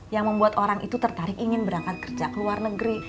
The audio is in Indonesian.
yang membuat orang itu tertarik ingin berangkat kerja ke luar negeri